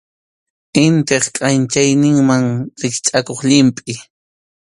Intip kʼanchayninman rikchʼakuq llimpʼi.